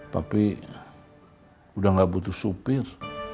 tapi udah gak butuh supir